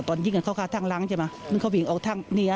ตอนยิงกันเขาฆ่าทางหลังใช่ไหม